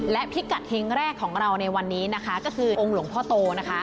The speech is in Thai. และพิกัดเฮงแรกของเราในวันนี้นะคะก็คือองค์หลวงพ่อโตนะคะ